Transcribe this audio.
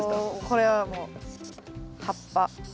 これはもう葉っぱ。